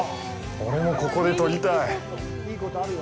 俺もここで撮りたい。